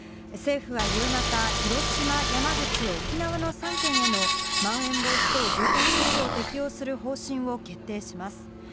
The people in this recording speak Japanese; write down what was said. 政府は夕方、広島、山口、沖縄の３県へのまん延防止等重点措置の適用する方針を決定します。